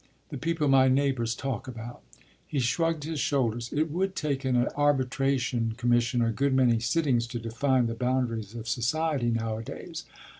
The people my neighbours talk about?” He shrugged his shoulders. “It would take an arbitration commission a good many sittings to define the boundaries of society nowadays.